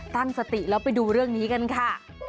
ตั้งสติแล้วไปดูเรื่องนี้กันค่ะ